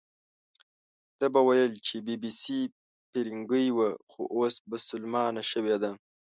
ده به ویل چې بي بي سي فیرنګۍ وه، خو اوس بسلمانه شوې ده.